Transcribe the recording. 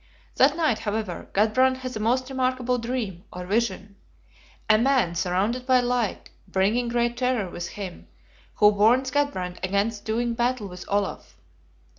That night, however, Gudbrand has a most remarkable Dream, or Vision: a Man surrounded by light, bringing great terror with him, who warns Gudbrand against doing battle with Olaf.